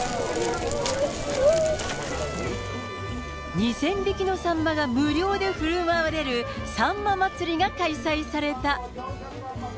２０００匹のサンマが無料でふるまわれるサンマ祭りが開催された。